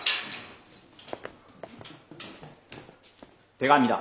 手紙だ。